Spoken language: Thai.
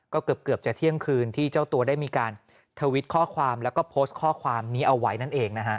ก็เกือบจะเที่ยงคืนที่เจ้าตัวได้มีการทวิตข้อความแล้วก็โพสต์ข้อความนี้เอาไว้นั่นเองนะฮะ